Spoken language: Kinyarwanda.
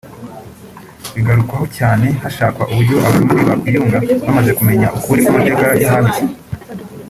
bugarukwaho cyane hashakwa uburyo Abarundi bakwiyunga bamaze kumenya ukuri kw’amateka y’ahahise